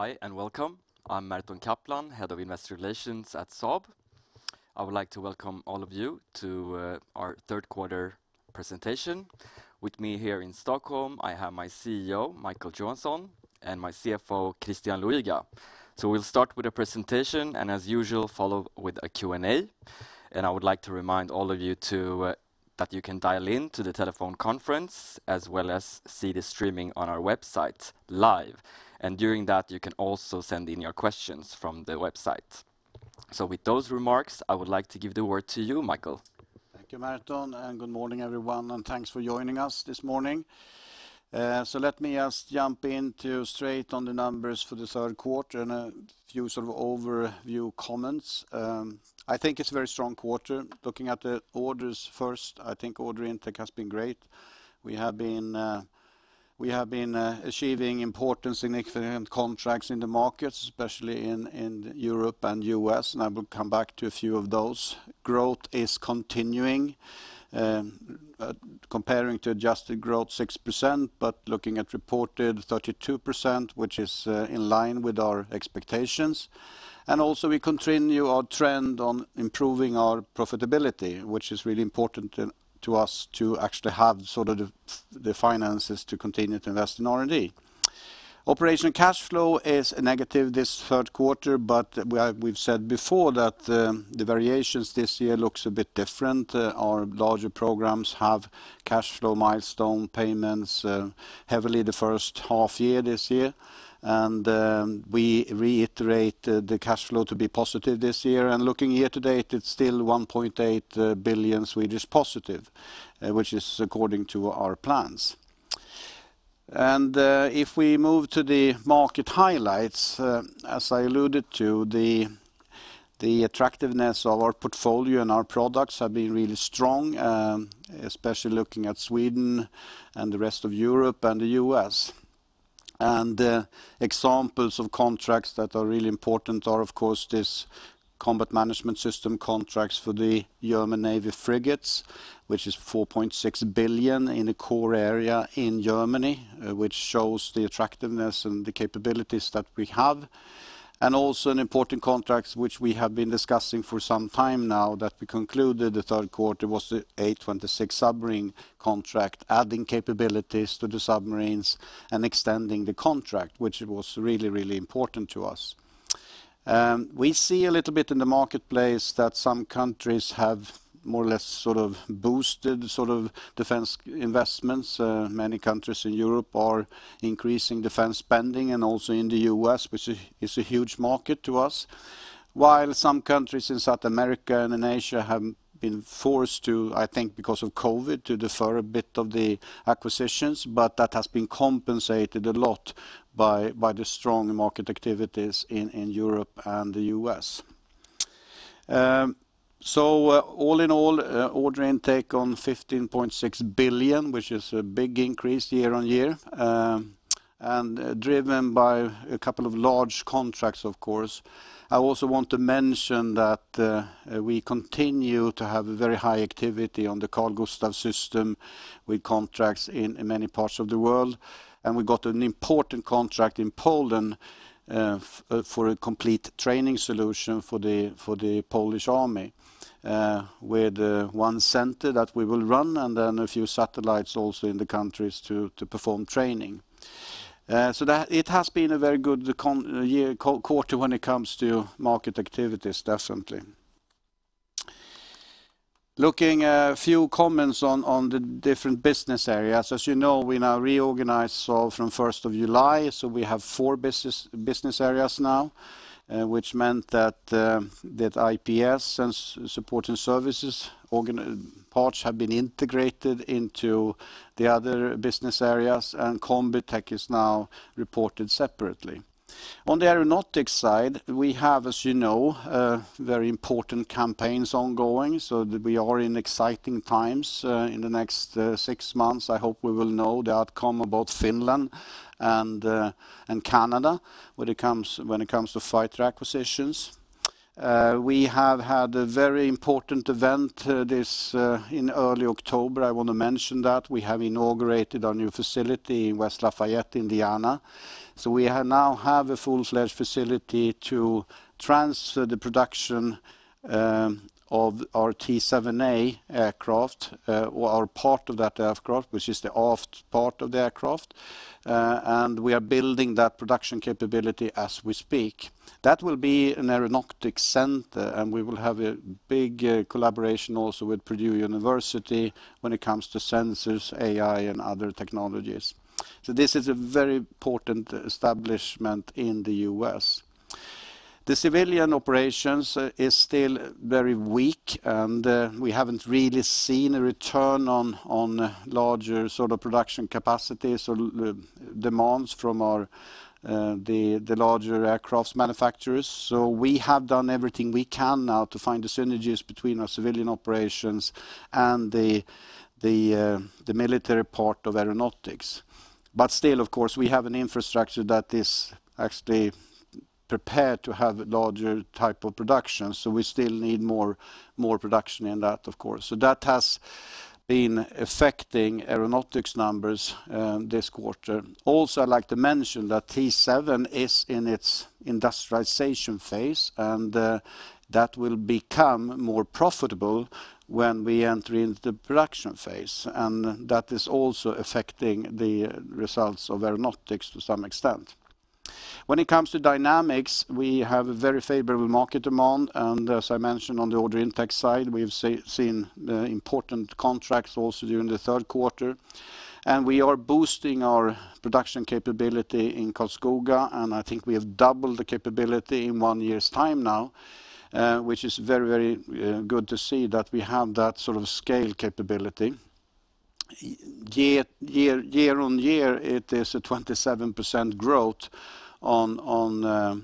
Hi, welcome. I'm Merton Kaplan, Head of Investor Relations at Saab. I would like to welcome all of you to our third-quarter presentation. With me here in Stockholm, I have my CEO, Micael Johansson, and my CFO, Christian Luiga. We'll start with a presentation and, as usual, follow with a Q&A. I would like to remind all of you too that you can dial in to the telephone conference as well as see the streaming on our website live. During that, you can also send in your questions from the website. With those remarks, I would like to give the word to you, Micael. Thank you, Merton. Good morning, everyone, and thanks for joining us this morning. Let me just jump into straight on the numbers for this third quarter and a few overview comments. I think it's a very strong quarter. Looking at the orders first, I think order intake has been great. We have been achieving important significant contracts in the markets, especially in Europe and U.S., and I will come back to a few of those. Growth is continuing. Comparing to adjusted growth, 6%, but looking at reported, 32%, which is in line with our expectations. Also, we continue our trend on improving our profitability, which is really important to us to actually have the finances to continue to invest in R&D. Operational cash flow is a negative this third quarter, but we've said before that the variations this year looks a bit different. Our larger programs have cash flow milestone payments heavily the first half year this year. We reiterate the cash flow to be positive this year, and looking year to date, it's still 1.8 billion+ which is according to our plans. If we move to the market highlights, as I alluded to, the attractiveness of our portfolio and our products have been really strong, especially looking at Sweden and the rest of Europe and the U.S. Examples of contracts that are really important are, of course, this combat management system contracts for the German Navy frigates, which is 4.6 billion in a core area in Germany, which shows the attractiveness and the capabilities that we have. Also an important contract, which we have been discussing for some time now, that we concluded the third quarter was the A26 submarine contract, adding capabilities to the submarines and extending the contract, which was really, really important to us. We see a little bit in the marketplace that some countries have more or less boosted defense investments. Many countries in Europe are increasing defense spending and also in the U.S., which is a huge market to us. While some countries in South America and in Asia have been forced to, I think because of COVID, to defer a bit of the acquisitions, but that has been compensated a lot by the strong market activities in Europe and the U.S. All in all, order intake on 15.6 billion, which is a big increase year-over-year, driven by a couple of large contracts, of course. I also want to mention that we continue to have a very high activity on the Carl-Gustaf system with contracts in many parts of the world, and we got an important contract in Poland for a complete training solution for the Polish army, with one center that we will run and then a few satellites also in the countries to perform training. It has been a very good quarter when it comes to market activities, definitely. Looking a few comments on the different business areas. You know, we now reorganized from 1st of July, so we have four business areas now, which meant that IPS and supporting services parts have been integrated into the other business areas, and Combitech is now reported separately. On the Aeronautics side, we have, you know, very important campaigns ongoing, we are in exciting times. In the next six months, I hope we will know the outcome about Finland and Canada when it comes to fighter acquisitions. We have had a very important event in early October. I want to mention that we have inaugurated our new facility in West Lafayette, Indiana. We now have a full-fledged facility to transfer the production of our T-7A aircraft, or part of that aircraft, which is the aft part of the aircraft. We are building that production capability as we speak. That will be an Aeronautics center, and we will have a big collaboration also with Purdue University when it comes to sensors, AI, and other technologies. This is a very important establishment in the U.S. The civilian operations is still very weak, and we haven't really seen a return on larger production capacity. Demands from the larger aircraft manufacturers. We have done everything we can now to find the synergies between our civilian operations and the military part of Aeronautics. Still, of course, we have an infrastructure that is actually prepare to have larger type of production. We still need more production in that, of course. That has been affecting Aeronautics numbers this quarter. Also, I'd like to mention that T-7 is in its industrialization phase, and that will become more profitable when we enter into the production phase. That is also affecting the results of Aeronautics to some extent. When it comes to Dynamics, we have a very favorable market demand, and as I mentioned on the order intake side, we've seen the important contracts also during the third quarter. We are boosting our production capability in Karlskoga, and I think we have doubled the capability in one year's time now, which is very good to see that we have that sort of scale capability. Year on year, it is a 27% growth on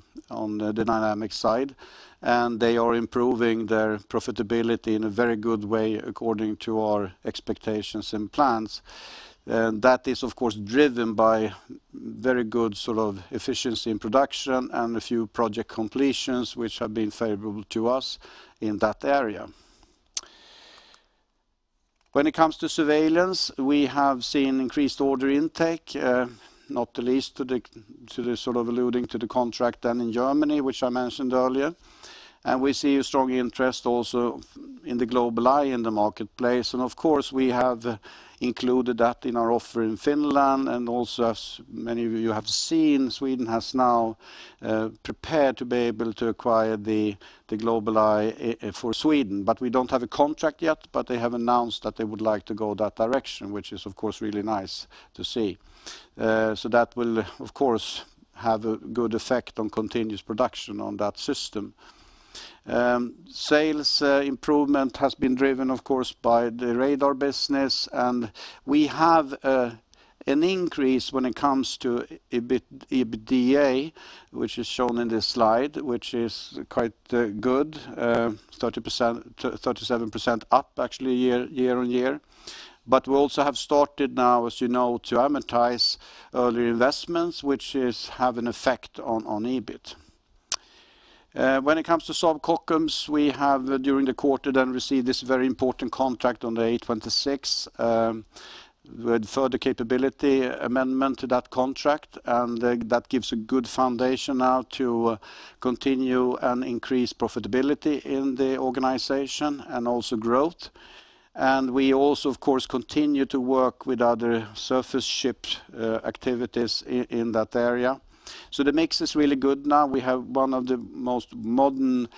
the Dynamics side, and they are improving their profitability in a very good way according to our expectations and plans. That is, of course, driven by very good efficiency in production and a few project completions, which have been favorable to us in that area. When it comes to Surveillance, we have seen increased order intake, not the least alluding to the contract done in Germany, which I mentioned earlier. We see a strong interest also in the GlobalEye in the marketplace. Of course, we have included that in our offer in Finland. Also, as many of you have seen, Sweden has now prepared to be able to acquire the GlobalEye for Sweden. We don't have a contract yet, but they have announced that they would like to go that direction, which is, of course, really nice to see. That will, of course, have a good effect on continuous production on that system. Sales improvement has been driven, of course, by the radar business, and we have an increase when it comes to EBITDA, which is shown in this slide, which is quite good. 37% up actually year-on-year. We also have started now, as you know, to amortize early investments, which have an effect on EBIT. When it comes to Saab Kockums, we have, during the quarter, received this very important contract on the A26 with further capability amendment to that contract, that gives a good foundation now to continue and increase profitability in the organization and also growth. We also, of course, continue to work with other surface ship activities in that area. The mix is really good now. We have one of the most modern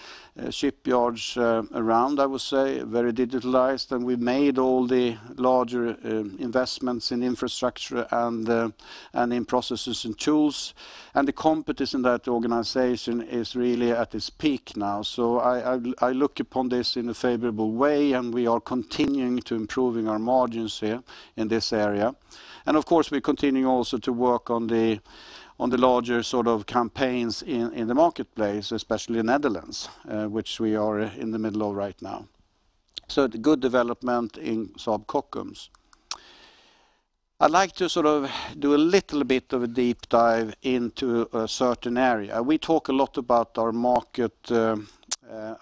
shipyards around, I would say, very digitalized, and we made all the larger investments in infrastructure and in processes and tools. The competence in that organization is really at its peak now. I look upon this in a favorable way, and we are continuing to improving our margins here in this area. Of course, we continue also to work on the larger sort of campaigns in the marketplace, especially in Netherlands, which we are in the middle of right now. The good development in Saab Kockums. I'd like to sort of do a little bit of a deep dive into a certain area. We talk a lot about our market,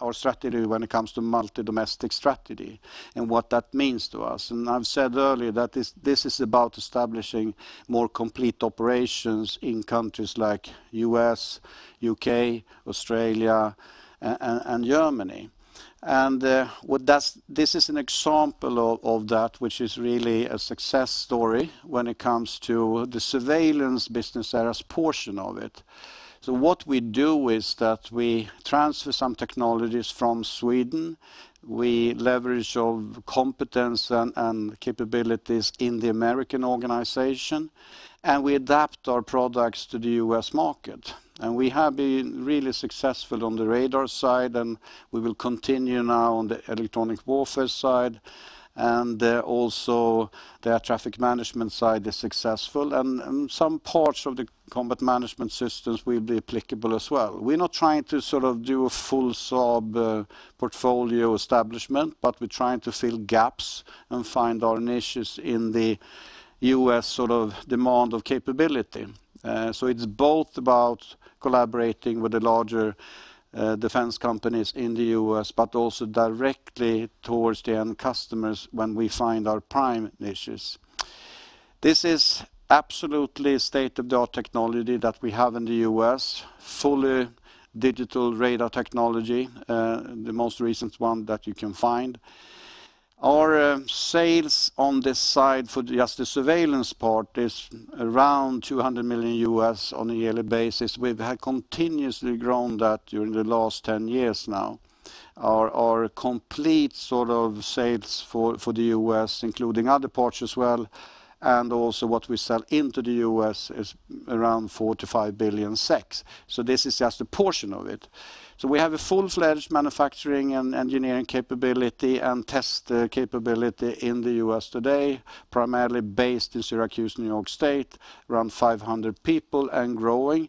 our strategy when it comes to multi-domestic strategy and what that means to us. I've said earlier that this is about establishing more complete operations in countries like U.S., U.K., Australia, and Germany. This is an example of that, which is really a success story when it comes to the Surveillance business areas portion of it. What we do is that we transfer some technologies from Sweden, we leverage our competence and capabilities in the American organization, and we adapt our products to the U.S. market. We have been really successful on the radar side, we will continue now on the electronic warfare side, and also the air traffic management side is successful. Some parts of the combat management systems will be applicable as well. We're not trying to sort of do a full Saab portfolio establishment, but we're trying to fill gaps and find our niches in the U.S. demand of capability. It's both about collaborating with the larger defense companies in the U.S., but also directly towards the end customers when we find our prime niches. This is absolutely state-of-the-art technology that we have in the U.S., fully digital radar technology, the most recent one that you can find. Our sales on this side for just the Surveillance part is around $200 million on a yearly basis. We have continuously grown that during the last 10 years now. Our complete sort of sales for the U.S., including other parts as well, and also what we sell into the U.S. is around 4 billion-5 billion. This is just a portion of it. We have a full-fledged manufacturing and engineering capability and test capability in the U.S. today, primarily based in Syracuse, New York State, around 500 people and growing.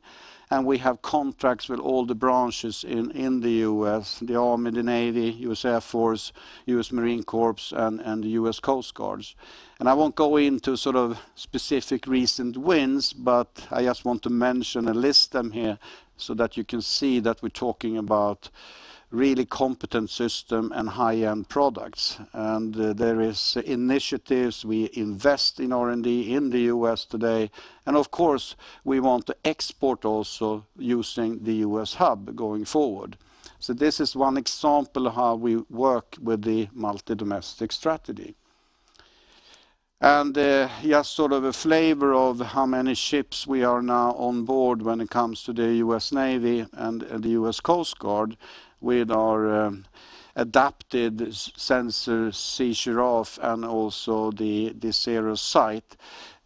We have contracts with all the branches in the U.S., the Army, the Navy, US Air Force, US Marine Corps, and the US Coast Guard. I won't go into sort of specific recent wins, but I just want to mention and list them here so that you can see that we're talking about really competent system and high-end products. There is initiatives we invest in R&D in the U.S. today. Of course, we want to export also using the U.S. hub going forward. This is one example of how we work with the multi-domestic strategy. Just sort of a flavor of how many ships we are now on board when it comes to the US Navy and the US Coast Guard with our adapted sensor Sea Giraffe and also the CEROS sight.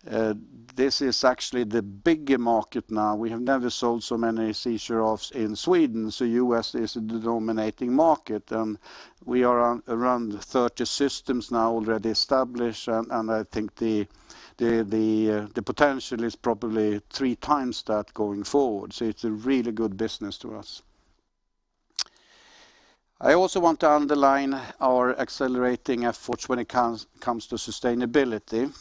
This is actually the bigger market now. We have never sold so many Sea Giraffes in Sweden, so U.S. is the dominating market. We are around 30 systems now already established, and I think the potential is probably three times that going forward. It's a really good business to us. I also want to underline our accelerating efforts when it comes to sustainability.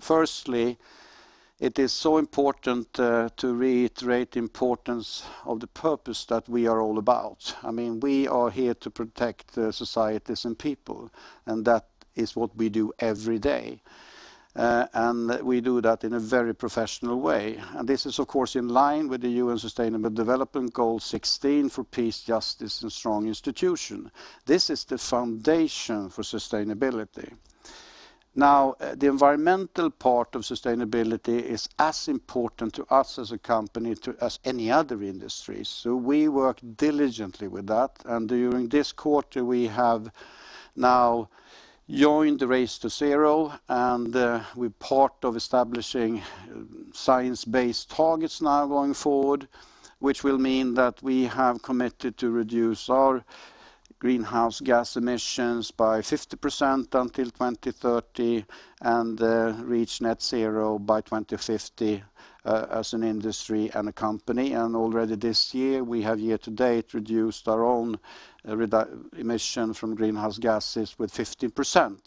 Firstly, it is so important to reiterate the importance of the purpose that we are all about. We are here to protect societies and people. That is what we do every day. We do that in a very professional way. This is of course, in line with the UN Sustainable Development Goal 16 for peace, justice, and strong institution. This is the foundation for sustainability. Now, the environmental part of sustainability is as important to us as a company, as any other industry. We work diligently with that. During this quarter, we have now joined the Race to Zero, and we're part of establishing science-based targets now going forward, which will mean that we have committed to reduce our greenhouse gas emissions by 50% until 2030 and reach net zero by 2050 as an industry and a company. Already this year, we have year to date reduced our own emission from greenhouse gases with 50%.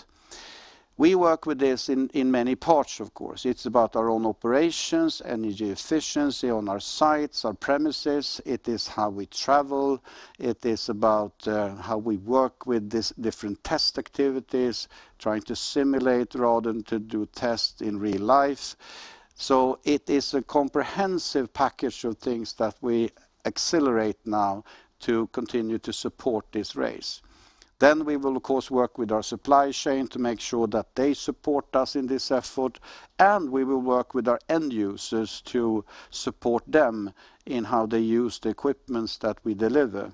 We work with this in many parts, of course. It's about our own operations, energy efficiency on our sites, our premises. It is how we travel. It is about how we work with these different test activities, trying to simulate rather than to do tests in real life. It is a comprehensive package of things that we accelerate now to continue to support this race. We will of course, work with our supply chain to make sure that they support us in this effort, and we will work with our end users to support them in how they use the equipments that we deliver.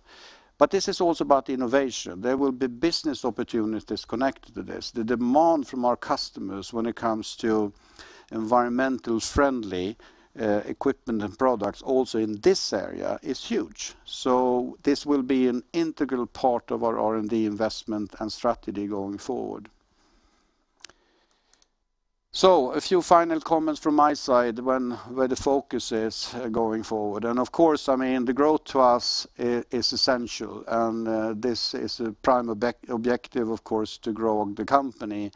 This is also about innovation. There will be business opportunities connected to this. The demand from our customers when it comes to environmental friendly equipment and products also in this area is huge. This will be an integral part of our R&D investment and strategy going forward. A few final comments from my side where the focus is going forward. Of course, the growth to us is essential, and this is a prime objective, of course, to grow the company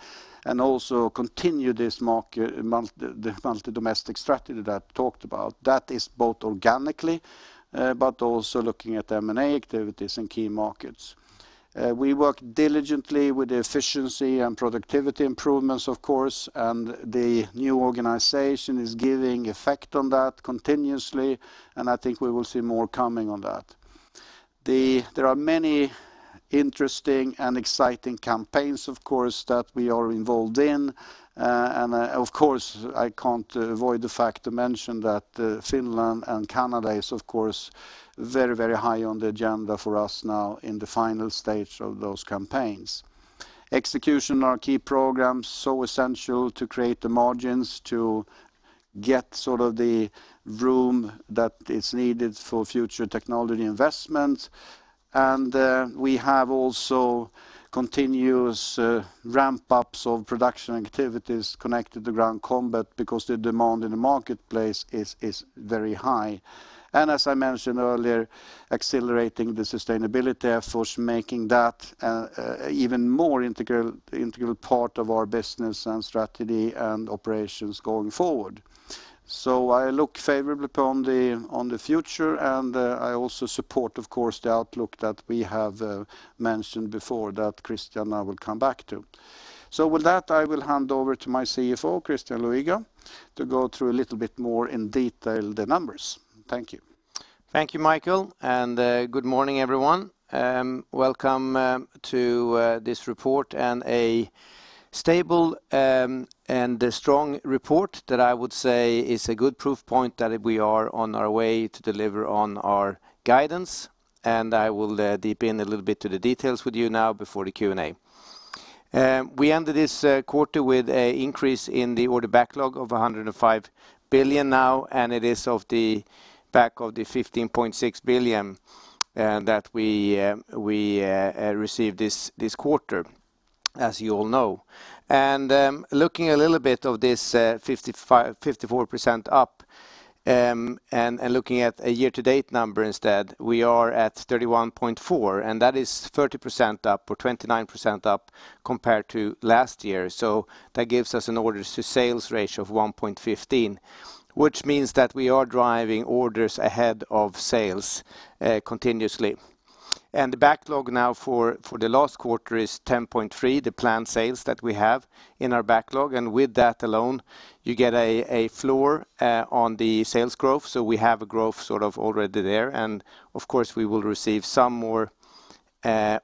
and also continue this multi-domestic strategy that I talked about. That is both organically but also looking at M&A activities in key markets. We work diligently with the efficiency and productivity improvements, of course, and the new organization is giving effect on that continuously, and I think we will see more coming on that. There are many interesting and exciting campaigns, of course, that we are involved in. Of course, I can't avoid the fact to mention that Finland and Canada is of course very, very high on the agenda for us now in the final stage of those campaigns. Execution on our key programs, so essential to create the margins to get sort of the room that is needed for future technology investment. We have also continuous ramp-ups of production activities connected to ground combat because the demand in the marketplace is very high. As I mentioned earlier, accelerating the sustainability efforts, making that even more integral part of our business and strategy and operations going forward. I look favorably upon the future, and I also support, of course, the outlook that we have mentioned before that Christian now will come back to. With that, I will hand over to my CFO, Christian Luiga, to go through a little bit more in detail the numbers. Thank you. Thank you, Micael. Good morning, everyone. Welcome to this report, a stable and a strong report that I would say is a good proof point that we are on our way to deliver on our guidance. I will deep in a little bit to the details with you now before the Q&A. We ended this quarter with a increase in the order backlog of 105 billion now. It is of the back of the 15.6 billion that we received this quarter, as you all know. Looking a little bit of this 54% up, looking at a year-to-date number instead, we are at 31.4 billion, that is 30% up or 29% up compared to last year. That gives us an orders to sales ratio of 1.15%, which means that we are driving orders ahead of sales continuously. The backlog now for the last quarter is 10.3 billion, the planned sales that we have in our backlog. With that alone, you get a floor on the sales growth. We have a growth sort of already there. Of course, we will receive some more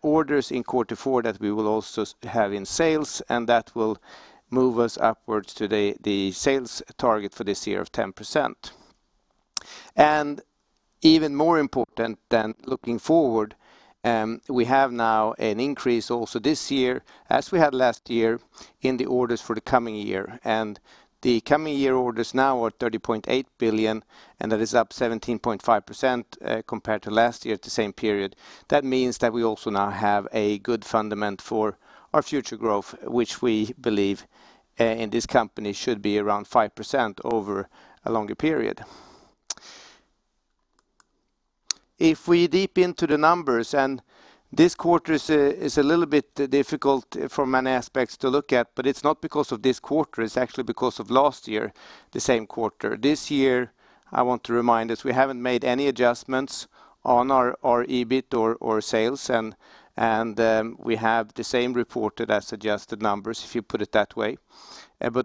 orders in quarter four that we will also have in sales, and that will move us upwards to the sales target for this year of 10%. Even more important than looking forward, we have now an increase also this year, as we had last year, in the orders for the coming year. The coming year orders now are 30.8 billion, and that is up 17.5% compared to last year at the same period. That means that we also now have a good fundament for our future growth, which we believe in this company should be around 5% over a longer period. If we deep into the numbers, and this quarter is a little bit difficult from many aspects to look at, but it's not because of this quarter, it's actually because of last year, the same quarter. This year, I want to remind us, we haven't made any adjustments on our EBIT or sales, and we have the same reported as adjusted numbers, if you put it that way.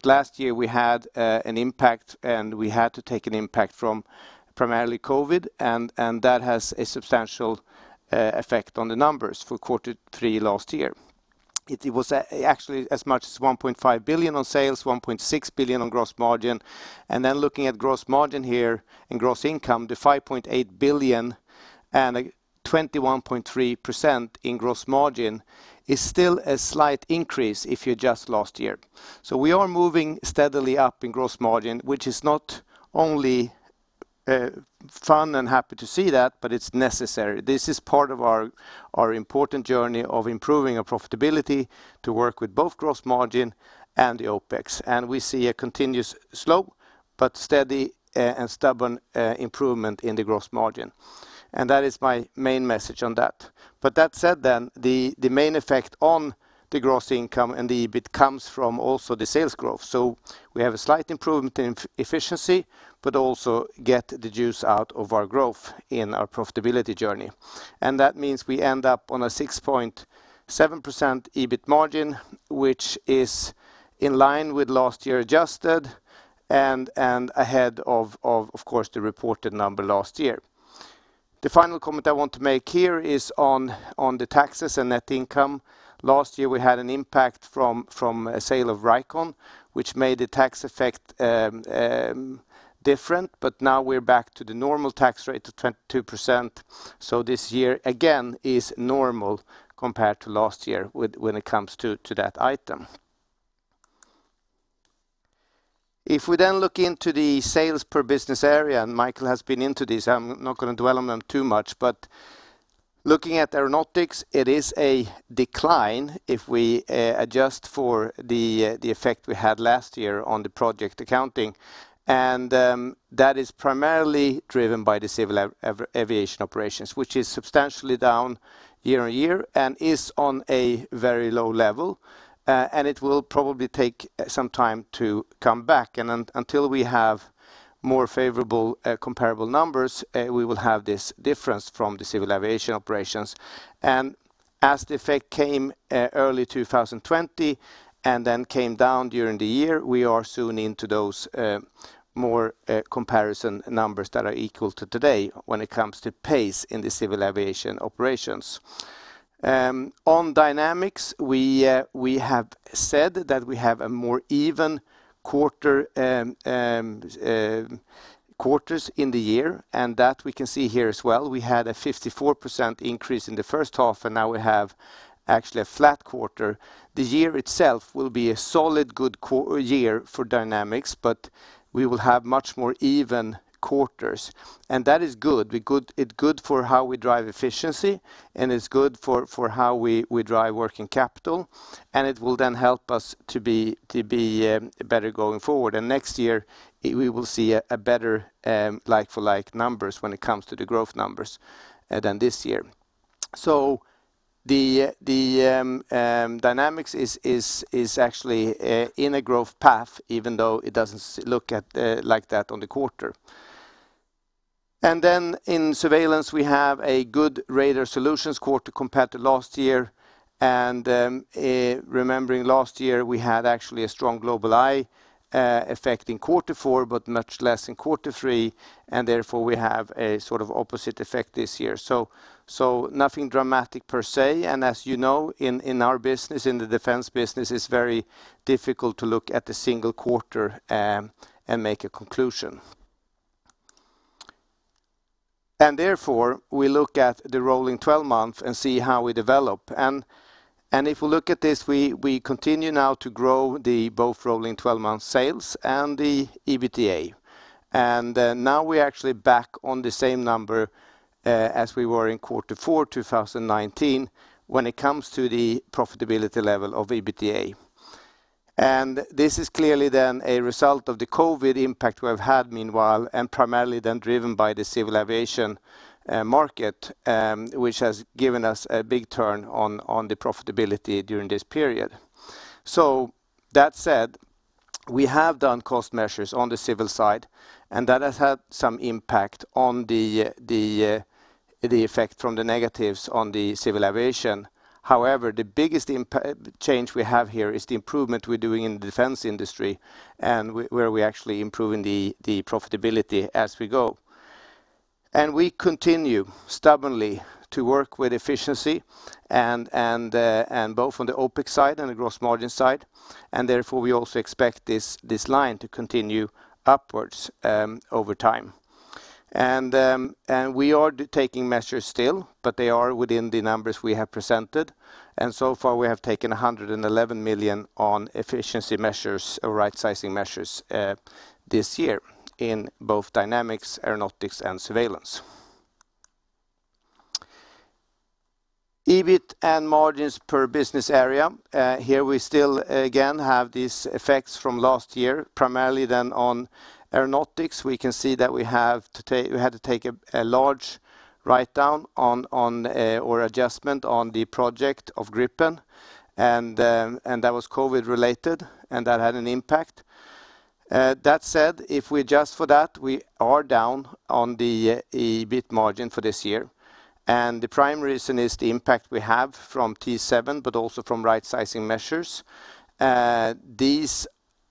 Last year we had an impact, and we had to take an impact from primarily COVID, and that has a substantial effect on the numbers for quarter three last year. It was actually as much as 1.5 billion on sales, 1.6 billion on gross margin. Looking at gross margin here and gross income, the 5.8 billion and a 21.3% in gross margin is still a slight increase if you adjust last year. We are moving steadily up in gross margin, which is not only fun and happy to see that, but it is necessary. This is part of our important journey of improving our profitability to work with both gross margin and the OpEx. We see a continuous slow but steady and stubborn improvement in the gross margin. That is my main message on that. That said, the main effect on the gross income and the EBIT comes from also the sales growth. We have a slight improvement in efficiency, but also get the juice out of our growth in our profitability journey. That means we end up on a 6.7% EBIT margin, which is in line with last year adjusted, and ahead of course, the reported number last year. The final comment I want to make here is on the taxes and net income. Last year, we had an impact from a sale of Vricon, which made the tax effect different. Now we're back to the normal tax rate of 22%. This year, again, is normal compared to last year when it comes to that item. If we then look into the sales per business area, and Micael has been into this, I'm not going to dwell on them too much. Looking at Aeronautics, it is a decline if we adjust for the effect we had last year on the project accounting. That is primarily driven by the civil aviation operations, which is substantially down year-on-year and is on a very low level. It will probably take some time to come back. Until we have more favorable comparable numbers, we will have this difference from the civil aviation operations. As the effect came early 2020 and then came down during the year, we are soon into those more comparison numbers that are equal to today when it comes to pace in the civil aviation operations. On Dynamics, we have said that we have a more even quarters in the year, that we can see here as well. We had a 54% increase in the first half, now we have actually a flat quarter. The year itself will be a solid good year for Dynamics, we will have much more even quarters, that is good. It good for how we drive efficiency, it's good for how we drive working capital, it will then help us to be better going forward. Next year we will see a better like-for-like numbers when it comes to the growth numbers than this year. The Dynamics is actually in a growth path, even though it doesn't look like that on the quarter. In Surveillance, we have a good radar solutions quarter compared to last year. Remembering last year, we had actually a strong GlobalEye effect in quarter four, but much less in quarter three, and therefore we have a sort of opposite effect this year. Nothing dramatic per se. As you know, in our business, in the defense business, it's very difficult to look at the single quarter and make a conclusion. Therefore, we look at the rolling 12 months and see how we develop. If we look at this, we continue now to grow the both rolling 12-month sales and the EBITDA. Now we're actually back on the same number as we were in quarter four 2019 when it comes to the profitability level of EBITDA. This is clearly then a result of the COVID impact we have had meanwhile, and primarily then driven by the civil aviation market, which has given us a big turn on the profitability during this period. That said, we have done cost measures on the civil side, and that has had some impact on the effect from the negatives on the civil aviation. However, the biggest change we have here is the improvement we're doing in the defense industry, where we're actually improving the profitability as we go. We continue stubbornly to work with efficiency, both on the OpEx side and the gross margin side. Therefore, we also expect this line to continue upwards over time. We are taking measures still, but they are within the numbers we have presented. So far, we have taken 111 million on efficiency measures or rightsizing measures this year in both Dynamics, Aeronautics, and Surveillance. EBIT and margins per business area. We still, again, have these effects from last year, primarily then on Aeronautics. We can see that we had to take a large write-down or adjustment on the project of Gripen. That was COVID related, and that had an impact. That said, if we adjust for that, we are down on the EBIT margin for this year. The prime reason is the impact we have from T-7, but also from rightsizing measures.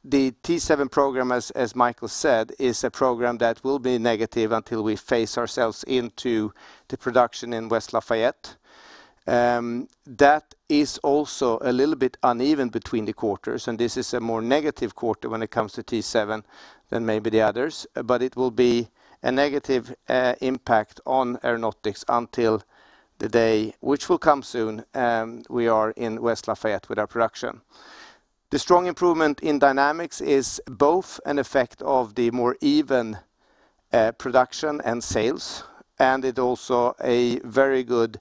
The T-7 program, as Micael said, is a program that will be negative until we phase ourselves into the production in West Lafayette. That is also a little bit uneven between the quarters. This is a more negative quarter when it comes to T-7 than maybe the others. It will be a negative impact on Aeronautics until the day, which will come soon, we are in West Lafayette with our production. The strong improvement in Dynamics is both an effect of the more even production and sales, and it also a very good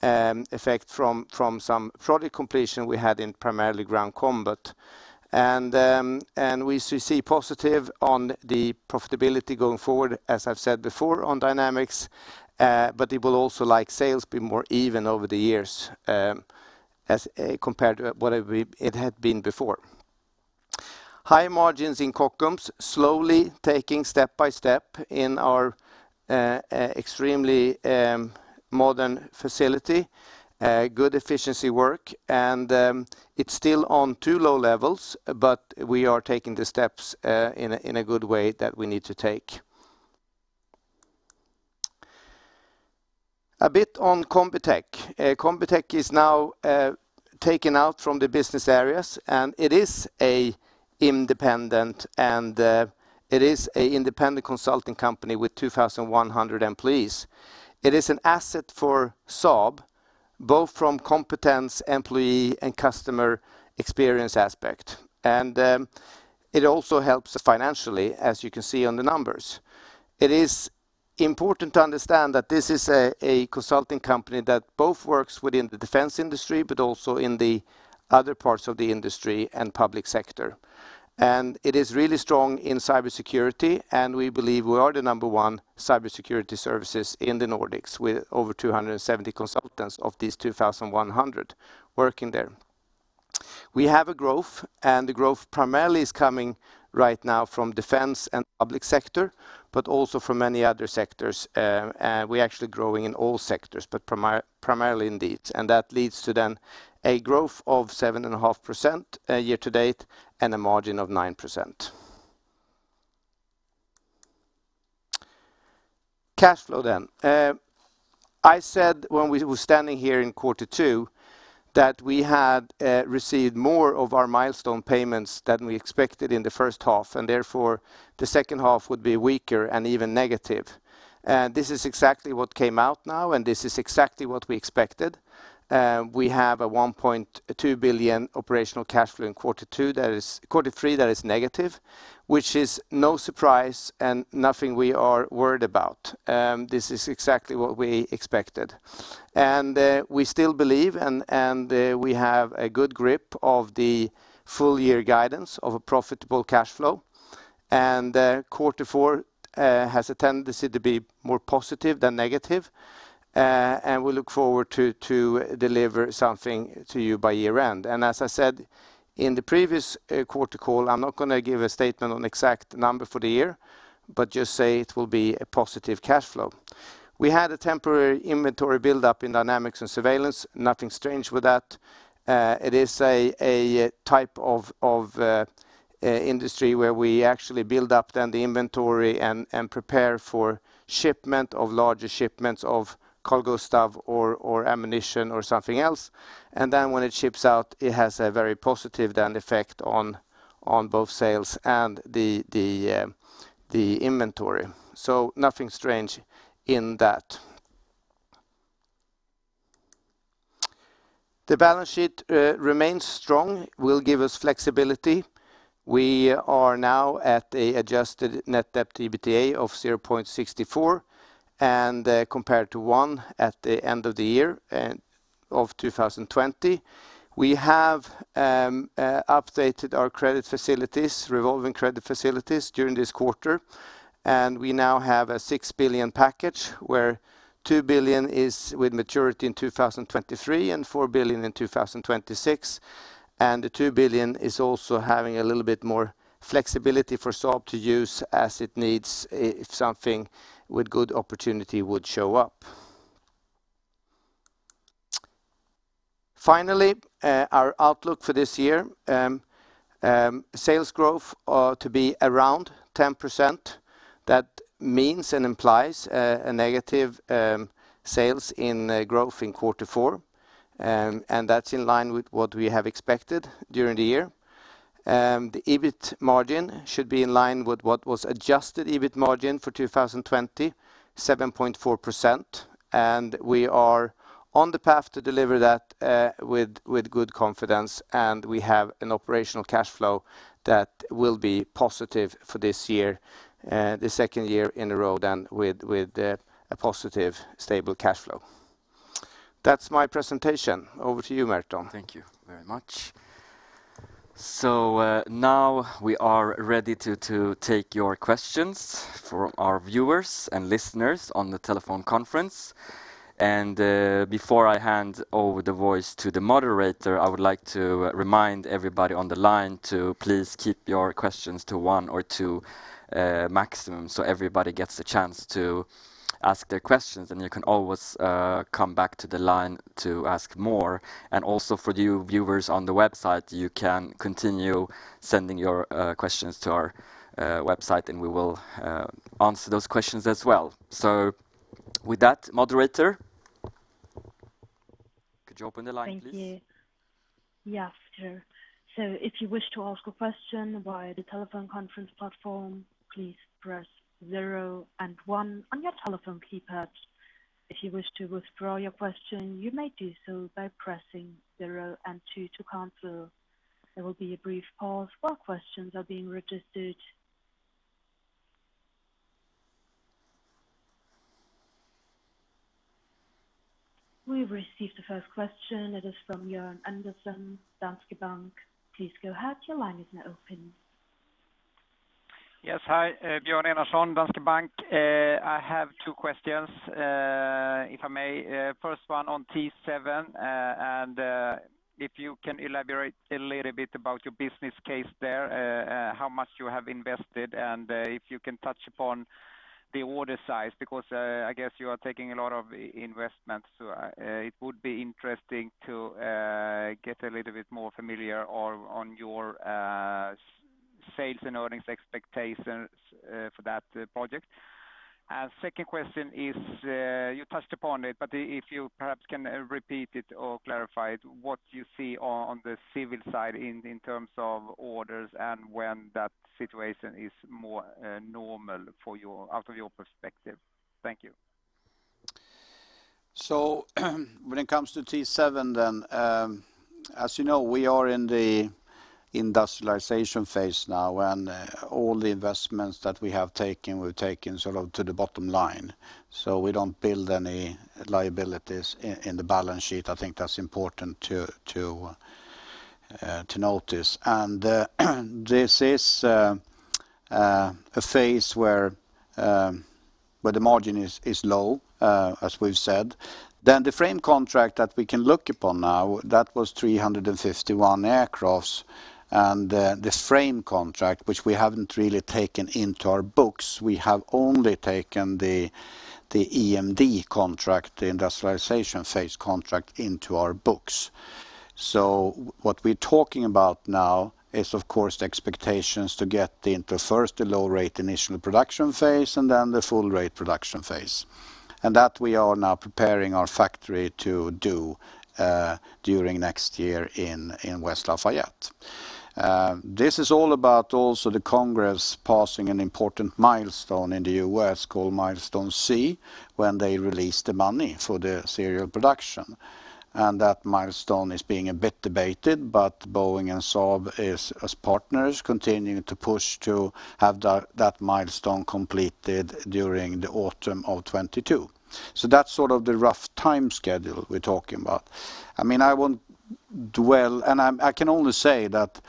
effect from some project completion we had in primarily ground combat. We see positive on the profitability going forward, as I've said before on Dynamics, but it will also, like sales, be more even over the years, as compared to what it had been before. High margins in Kockums, slowly taking step by step in our extremely modern facility. Good efficiency work, and it's still on too low levels, but we are taking the steps in a good way that we need to take. A bit on Combitech. Combitech is now taken out from the business areas, and it is a independent consulting company with 2,100 employees. It is an asset for Saab, both from competence, employee, and customer experience aspect. It also helps us financially, as you can see on the numbers. It is important to understand that this is a consulting company that both works within the defense industry, but also in the other parts of the industry and public sector. It is really strong in cybersecurity, and we believe we are the number one cybersecurity services in the Nordics, with over 270 consultants of these 2,100 working there. We have a growth, and the growth primarily is coming right now from Defense and public sector, but also from many other sectors. We're actually growing in all sectors, but primarily indeed. That leads to then a growth of 7.5% year to date and a margin of 9%. Cash flow. I said when we were standing here in quarter two that we had received more of our milestone payments than we expected in the first half, and therefore, the second half would be weaker and even negative. This is exactly what came out now, and this is exactly what we expected. We have a 1.2 billion operational cash flow in quarter three that is negative, which is no surprise and nothing we are worried about. This is exactly what we expected. We still believe, and we have a good grip of the full year guidance of a profitable cash flow, and quarter four has a tendency to be more positive than negative, and we look forward to deliver something to you by year-end. As I said in the previous quarter call, I'm not going to give a statement on exact number for the year, but just say it will be a positive cash flow. We had a temporary inventory buildup in Dynamics and Surveillance. Nothing strange with that. It is a type of industry where we actually build up then the inventory and prepare for shipment of larger shipments of Carl-Gustaf or ammunition or something else. Then when it ships out, it has a very positive then effect on both sales and the inventory. Nothing strange in that. The balance sheet remains strong, will give us flexibility. We are now at an adjusted net debt EBITDA of 0.64%, and compared to 1% at the end of the year of 2020. We have updated our credit facilities, revolving credit facilities during this quarter, and we now have a 6 billion package where 2 billion is with maturity in 2023 and 4 billion in 2026. The 2 billion is also having a little bit more flexibility for Saab to use as it needs if something with good opportunity would show up. Our outlook for this year. Sales growth to be around 10%. That means and implies a negative sales growth in quarter four, and that's in line with what we have expected during the year. The EBIT margin should be in line with what was adjusted EBIT margin for 2020, 7.4%, and we are on the path to deliver that with good confidence, and we have an operational cash flow that will be positive for this year, the 2nd year in a row, then with a positive stable cash flow. That's my presentation. Over to you, Merton. Thank you very much. Now we are ready to take your questions for our viewers and listeners on the telephone conference. Before I hand over the voice to the moderator, I would like to remind everybody on the line to please keep your questions to one or two maximum so everybody gets a chance to ask their questions, and you can always come back to the line to ask more. Also for you viewers on the website, you can continue sending your questions to our website, and we will answer those questions as well. With that, moderator, could you open the line, please? Thank you. Yes, sure. So, if you wish to ask a question why the telephone conference platform, please press zero and one on your telephone keypad. If you wish to withdraw your question you may do so by pressing zero and two to cancel. There will be a brief part while questions are being registered. We've received the first question. It is from Björn Enarson, Danske Bank. Yes. Hi. Björn Enarson, Danske Bank. I have two questions, if I may. First one on T-7, and if you can elaborate a little bit about your business case there, how much you have invested, and if you can touch upon the order size. I guess you are taking a lot of investments, so it would be interesting to get a little bit more familiar on your sales and earnings expectations for that project. Second question is, you touched upon it, but if you perhaps can repeat it or clarify it, what you see on the civil side in terms of orders and when that situation is more normal out of your perspective. Thank you. When it comes to T-7, then, as you know, we are in the industrialization phase now, and all the investments that we have taken, we've taken sort of to the bottom line. We don't build any liabilities in the balance sheet. I think that's important to notice. This is a phase where the margin is low, as we've said. The frame contract that we can look upon now, that was 351 aircrafts, and this frame contract, which we haven't really taken into our books, we have only taken the EMD contract, the industrialization phase contract into our books. What we're talking about now is, of course, the expectations to get into first the low rate initial production phase and then the full rate production phase. That we are now preparing our factory to do during next year in West Lafayette. This is all about also the Congress passing an important milestone in the U.S. called Milestone C, when they release the money for the serial production. That milestone is being a bit debated, but Boeing and Saab as partners, continue to push to have that milestone completed during the autumn of 2022. That's sort of the rough time schedule we're talking about. I mean, I won't dwell, and I can only say that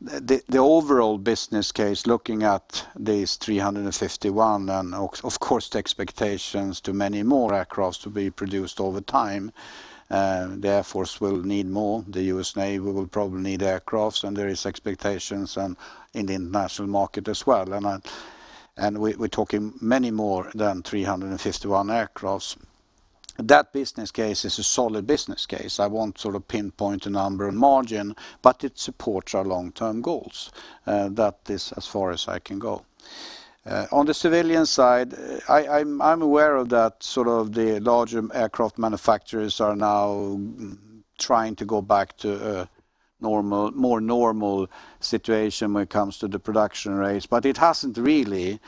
the overall business case, looking at these 351 and, of course, the expectations to many more aircraft to be produced over time. The Air Force will need more, the U.S. Navy will probably need aircraft, and there is expectations in the international market as well. We're talking many more than 351 aircrafts. That business case is a solid business case, I won't sort of pinpoint a number and margin, but it supports our long-term goals. That is as far as I can go. On the civilian side, I'm aware of that sort of the larger aircraft manufacturers are now trying to go back to a more normal situation when it comes to the production rates, but it hasn't really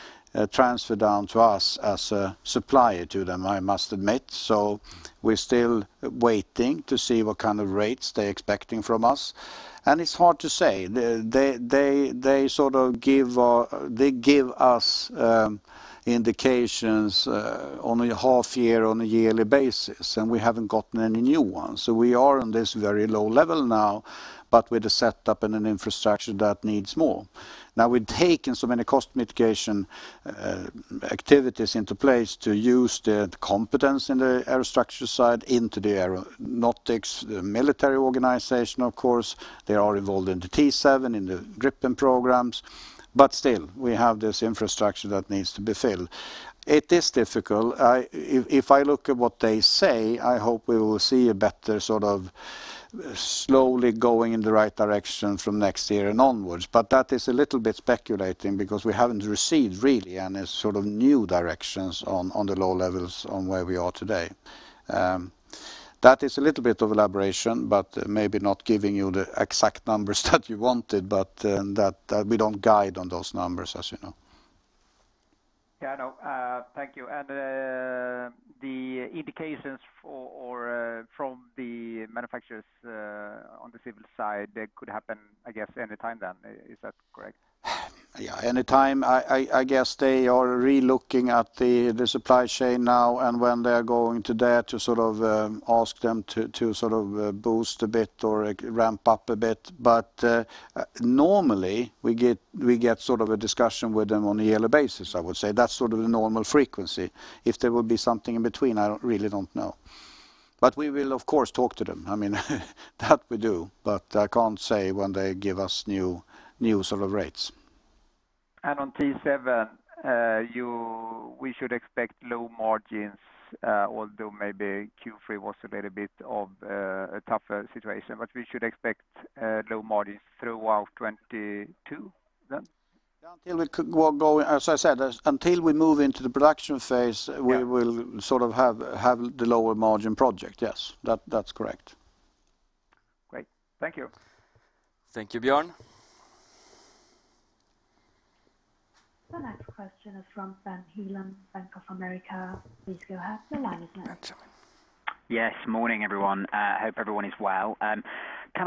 transferred down to us as a supplier to them, I must admit. We're still waiting to see what kind of rates they're expecting from us, and it's hard to say. They give us indications on a half year, on a yearly basis, and we haven't gotten any new ones. We are on this very low level now, but with a setup and an infrastructure that needs more. We've taken so many cost mitigation activities into place to use the competence in the aerostructure side into the Aeronautics, military organization, of course. They are involved in the T-7, in the Gripen programs. Still, we have this infrastructure that needs to be filled. It is difficult. If I look at what they say, I hope we will see a better sort of slowly going in the right direction from next year and onwards. That is a little bit speculating because we haven't received really any sort of new directions on the low levels on where we are today. That is a little bit of elaboration, but maybe not giving you the exact numbers that you wanted, but we don't guide on those numbers, as you know. Yeah, I know. Thank you. The indications from the manufacturers on the civil side, they could happen, I guess, any time then. Is that correct? Yeah, any time, I guess they are re-looking at the supply chain now and when they're going to dare to ask them to boost a bit or ramp up a bit. Normally we get a discussion with them on a yearly basis, I would say. That's the normal frequency. If there will be something in between, I really don't know. We will, of course, talk to them. That we do, but I can't say when they give us new rates. On T-7, we should expect low margins, although maybe Q3 was a little bit of a tougher situation. We should expect low margins throughout 2022 then? As I said, until we move into the production phase. Yeah we will have the lower margin project. Yes. That's correct. Great. Thank you. Thank you, Björn. The next question is from Ben Heelan, Bank of America. Please go ahead, your line is open. Yes, morning, everyone. Hope everyone is well. Can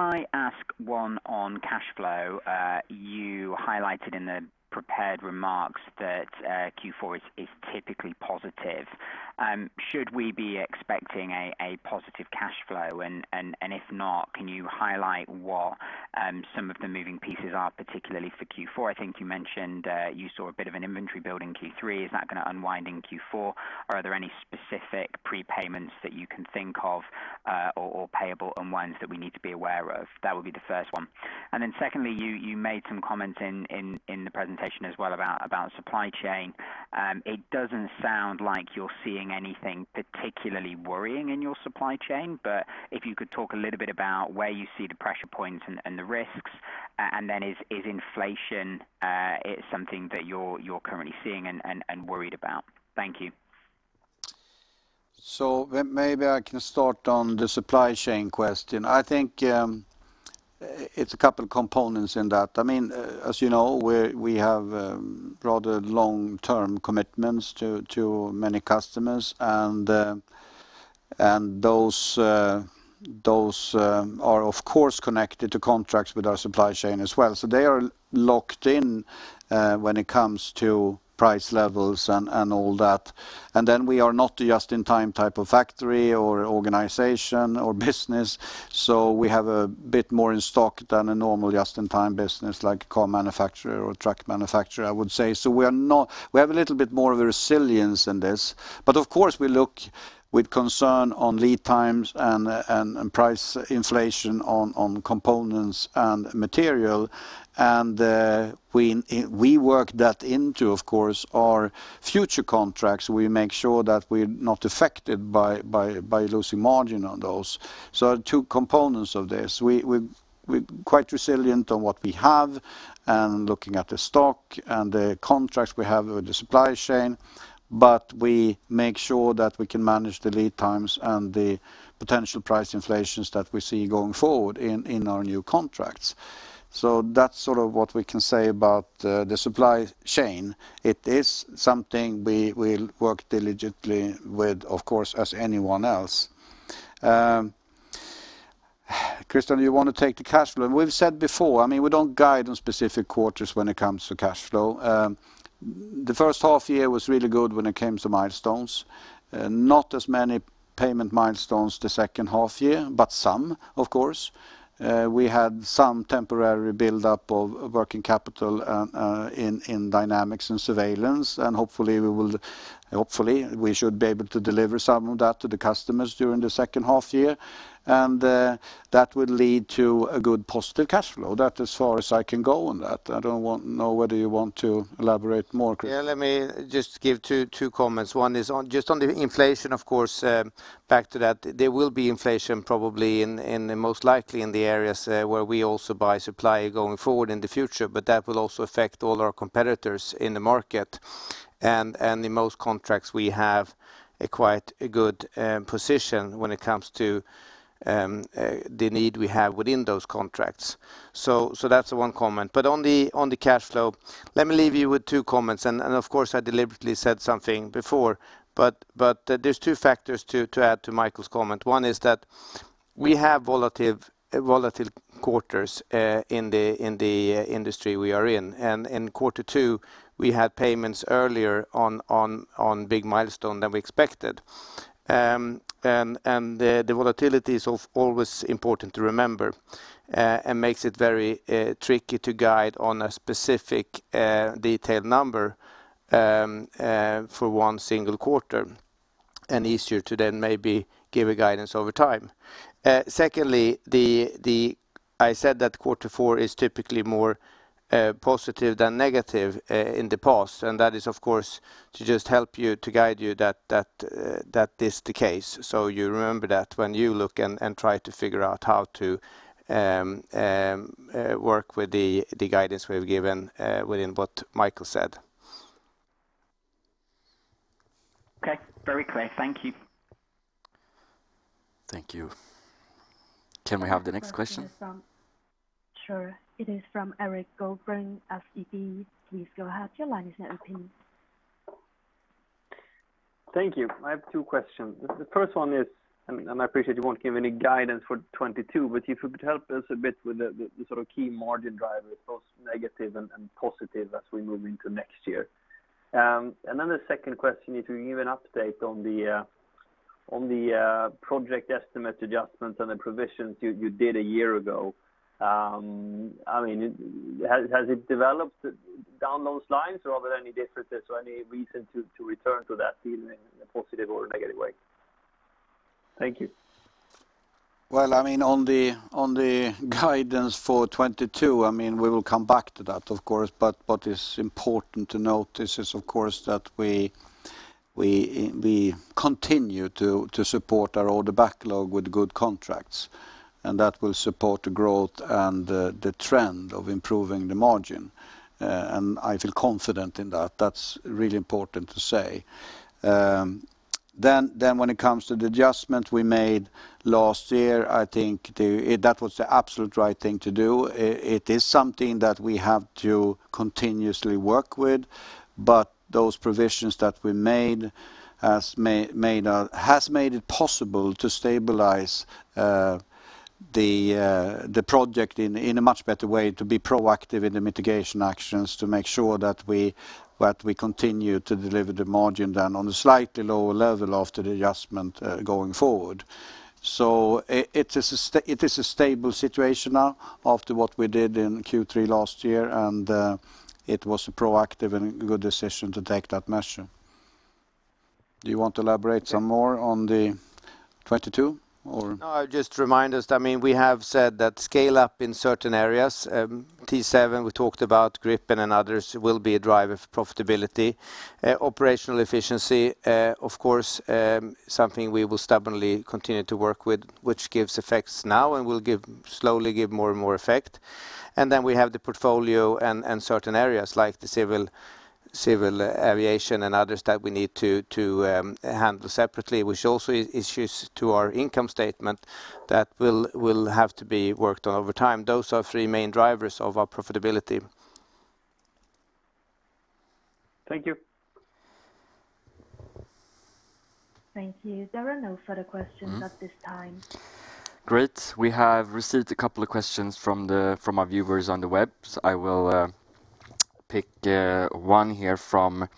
I ask one on cash flow? You highlighted in the prepared remarks that Q4 is typically positive. Should we be expecting a positive cash flow? If not, can you highlight what some of the moving pieces are, particularly for Q4? I think you mentioned you saw a bit of an inventory build in Q3. Is that going to unwind in Q4? Are there any specific prepayments that you can think of or payable on ones that we need to be aware of? That would be the first one. Secondly, you made some comments in the presentation as well about supply chain. It doesn't sound like you're seeing anything particularly worrying in your supply chain, but if you could talk a little bit about where you see the pressure points and the risks, and then is inflation something that you're currently seeing and worried about? Thank you. Maybe I can start on the supply chain question. I think it's a couple components in that. As you know, we have rather long-term commitments to many customers, and those are, of course, connected to contracts with our supply chain as well. They are locked in when it comes to price levels and all that. We are not a just-in-time type of factory or organization or business, we have a bit more in stock than a normal just-in-time business, like a car manufacturer or truck manufacturer, I would say. We have a little bit more of a resilience in this, of course, we look with concern on lead times and price inflation on components and material. We work that into, of course, our future contracts. We make sure that we're not affected by losing margin on those. There are two components of this. We're quite resilient on what we have and looking at the stock and the contracts we have with the supply chain, but we make sure that we can manage the lead times and the potential price inflations that we see going forward in our new contracts. That's what we can say about the supply chain. It is something we will work diligently with, of course, as anyone else. Christian, do you want to take the cash flow? We've said before, we don't guide on specific quarters when it comes to cash flow. The first half year was really good when it came to milestones. Not as many payment milestones the second half year, but some, of course. We had some temporary buildup of working capital in Dynamics and Surveillance, and hopefully we should be able to deliver some of that to the customers during the second half year, and that will lead to a good positive cash flow. That is as far as I can go on that. I don't know whether you want to elaborate more, Christian. Yeah, let me just give two comments. One is just on the inflation, of course, back to that. There will be inflation probably in the most likely in the areas where we also buy supply going forward in the future, but that will also affect all our competitors in the market. In most contracts, we have a quite good position when it comes to the need we have within those contracts. That's one comment. On the cash flow, let me leave you with two comments, and of course, I deliberately said something before, there's two factors to add to Micael's comment. One is that we have volatile quarters in the industry we are in, and in quarter two, we had payments earlier on big milestone than we expected. The volatility is of always important to remember and makes it very tricky to guide on a specific detailed number for one single quarter, and easier to then maybe give a guidance over time. Secondly, I said that quarter four is typically more positive than negative in the past, and that is, of course, to just help you to guide you that this is the case. You remember that when you look and try to figure out how to work with the guidance we've given within what Micael said. Okay. Very clear. Thank you. Thank you. Can we have the next question? Sure. It is from Erik Golrang, SEB. Please go ahead. Your line is now open. Thank you. I have two questions. The first one is, I appreciate you won't give any guidance for 2022, but if you could help us a bit with the key margin drivers, both negative and positive, as we move into next year. The second question, if you can give an update on the project estimate adjustments and the provisions you did a year ago. Has it developed down those lines, or are there any differences or any reason to return to that theme in a positive or negative way? Thank you. Well, on the guidance for 2022, we will come back to that, of course. What is important to note is, of course, that we continue to support our order backlog with good contracts, and that will support the growth and the trend of improving the margin. I feel confident in that. That's really important to say. When it comes to the adjustment we made last year, I think that was the absolute right thing to do. It is something that we have to continuously work with, but those provisions that we made has made it possible to stabilize the project in a much better way, to be proactive in the mitigation actions, to make sure that we continue to deliver the margin then on a slightly lower level after the adjustment going forward. It is a stable situation now after what we did in Q3 last year, and it was a proactive and good decision to take that measure. Do you want to elaborate some more on the 2022, or? No, just remind us. We have said that scale-up in certain areas, T-7 we talked about, Gripen and others, will be a driver for profitability. Operational efficiency, of course, something we will stubbornly continue to work with, which gives effects now and will slowly give more and more effect. Then we have the portfolio and certain areas like the civil aviation and others that we need to handle separately, which also is issues to our income statement that will have to be worked on over time. Those are three main drivers of our profitability. Thank you. Thank you. There are no further questions at this time. Great. We have received a couple of questions from our viewers on the web. I will pick one here from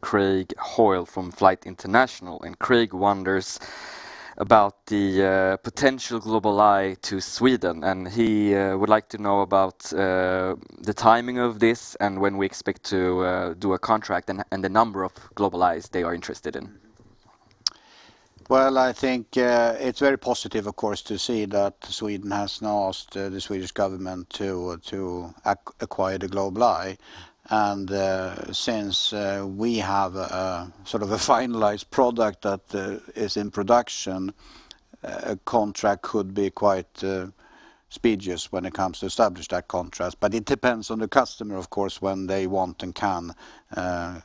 Craig Hoyle from Flight International, and Craig wonders about the potential GlobalEye to Sweden, and he would like to know about the timing of this and when we expect to do a contract, and the number of GlobalEyes they are interested in. Well, I think it's very positive, of course, to see that Sweden has now asked the Swedish government to acquire the GlobalEye. Since we have a finalized product that is in production, a contract could be quite expeditious when it comes to establish that contract. It depends on the customer, of course, when they want and can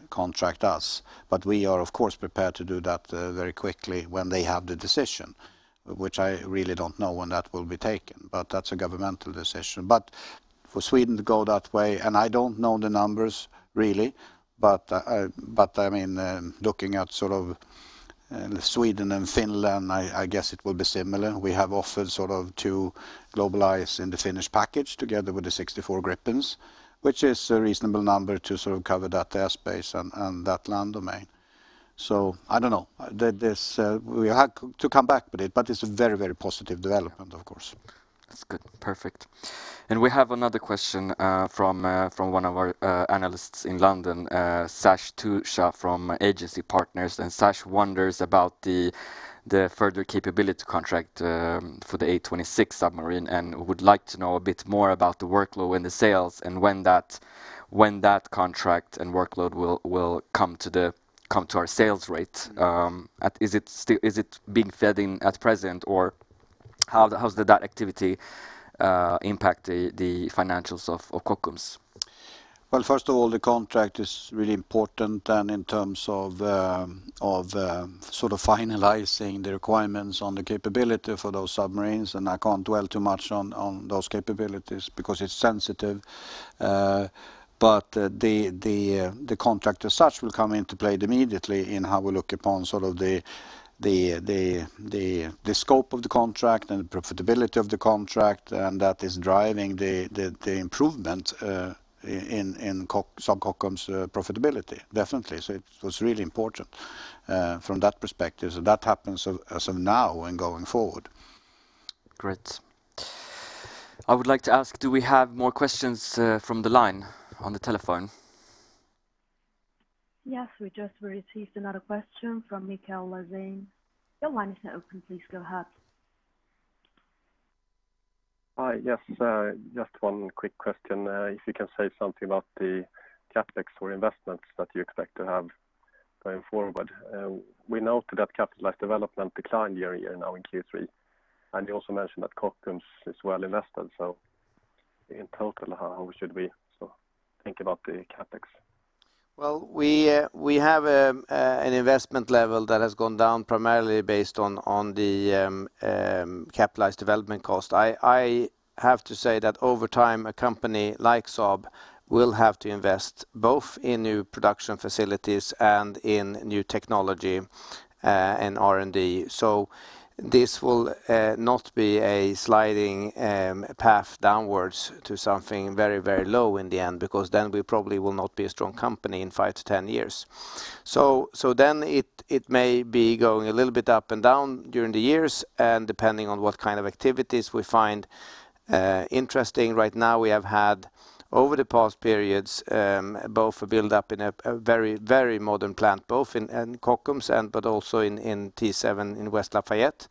contract us. We are, of course, prepared to do that very quickly when they have the decision, which I really don't know when that will be taken, but that's a governmental decision. For Sweden to go that way, and I don't know the numbers really, but looking at Sweden and Finland, I guess it will be similar. We have offered two GlobalEyes in the finished package, together with the 64 Gripens, which is a reasonable number to cover that airspace and that land domain. I don't know. We have to come back with it, but it's a very positive development, of course. That's good. Perfect. We have another question from one of our analysts in London, Sash Tusa from Agency Partners, and Sash wonders about the further capability contract for the A26 submarine and would like to know a bit more about the workload and the sales and when that contract and workload will come to our sales rate. Is it being fed in at present, or how does that activity impact the financials of Kockums? First of all, the contract is really important. In terms of finalizing the requirements on the capability for those submarines, I can't dwell too much on those capabilities because it's sensitive. The contract as such will come into play immediately in how we look upon the scope of the contract and the profitability of the contract. That is driving the improvement in Saab Kockums' profitability. Definitely. It was really important from that perspective. That happens as of now and going forward. Great. I would like to ask, do we have more questions from the line on the telephone? Yes. We just received another question from Mikael Laséen. Your line is now open. Please go ahead. Hi. Yes. Just one quick question. If you can say something about the CapEx or investments that you expect to have going forward. We noted that capitalized development declined year-over-year now in Q3. You also mentioned that Kockums is well invested. In total, how should we think about the CapEx? Well, we have an investment level that has gone down primarily based on the capitalized development cost. I have to say that over time, a company like Saab will have to invest both in new production facilities and in new technology and R&D. This will not be a sliding path downwards to something very low in the end, because then we probably will not be a strong company in 5-10 years. Then it may be going a little bit up and down during the years and depending on what kind of activities we find interesting. Right now, we have had over the past periods, both a buildup in a very modern plant, both in Kockums but also in T-7 in West Lafayette.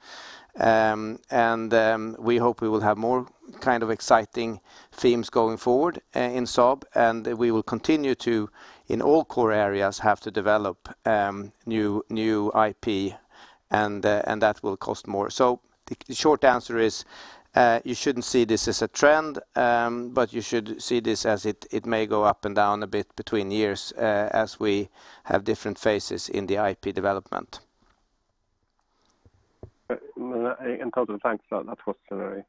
We hope we will have more kind of exciting themes going forward in Saab, and we will continue to, in all core areas, have to develop new IP and that will cost more. The short answer is, you shouldn't see this as a trend, but you should see this as it may go up and down a bit between years as we have different phases in the IP development. In total, thanks. That was very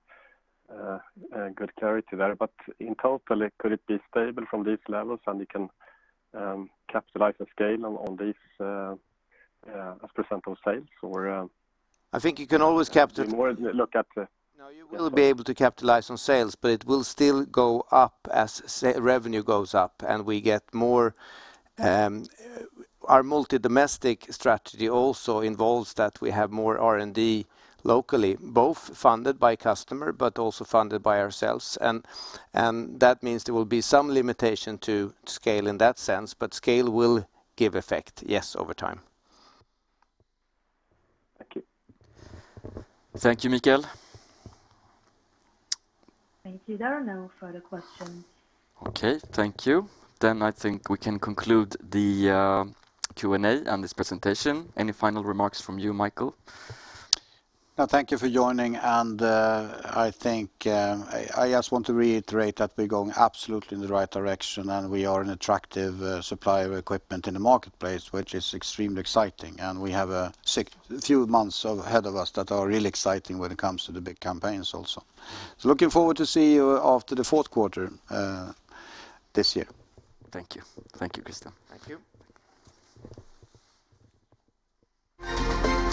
good clarity there. In total, could it be stable from these levels and you can capitalize the scale on this as percent of sales? I think you can always capital- more look at the- No, you will be able to capitalize on sales. It will still go up as revenue goes up and we get more. Our multi-domestic strategy also involves that we have more R&D locally, both funded by customer, but also funded by ourselves. That means there will be some limitation to scale in that sense. Scale will give effect, yes, over time. Thank you, Mikael. Thank you. There are no further questions. Okay, thank you. I think we can conclude the Q&A and this presentation. Any final remarks from you, Micael? Thank you for joining. I think I just want to reiterate that we're going absolutely in the right direction. We are an attractive supplier of equipment in the marketplace, which is extremely exciting. We have a few months ahead of us that are really exciting when it comes to the big campaigns also. Looking forward to see you after the fourth quarter this year. Thank you. Thank you, Kristoffer. Thank you.